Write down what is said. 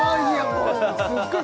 もうすっごい